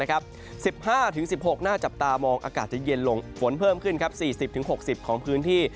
๑๕๑๖องศาเซียตหน้าจับตามองอากาศจะเย็นลงฝนเพิ่มขึ้น๔๐๖๐องศาเซียตของพื้นที่